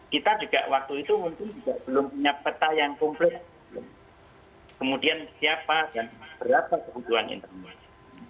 kita juga waktu itu mungkin juga belum punya peta yang komplit kemudian siapa dan berapa kebutuhan internet